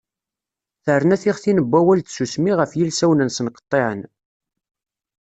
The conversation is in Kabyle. Terna tiɣtin n wawal d tsusmi ɣef yilsawen-nsen qeṭṭiɛen.